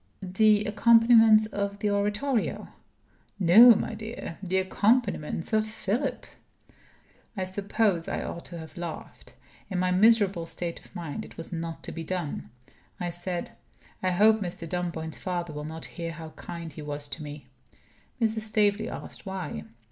"The accompaniments of the Oratorio?" "No, my dear. The accompaniments of Philip." I suppose I ought to have laughed. In my miserable state of mind, it was not to be done. I said: "I hope Mr. Dunboyne's father will not hear how kind he was to me." Mrs. Staveley asked why.